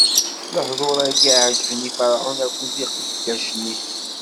Lehduṛ-agi ɛeǧben i Ferɛun akked iqeddacen-is.